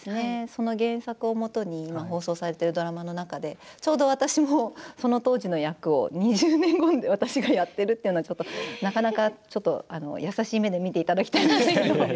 その原作をもとに今放送されているドラマの中でちょうど私もその当時の役を２０年後に私がやっているというのはなかなかちょっと優しい目で見ていただきたいんですけど。